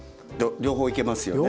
両方いけますよね。